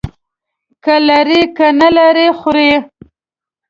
که لري، که نه لري، خوري.